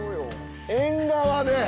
縁側で。